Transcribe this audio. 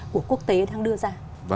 của quốc tế đang đưa ra